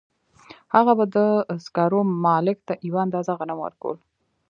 هغه به د سکارو مالک ته یوه اندازه غنم ورکول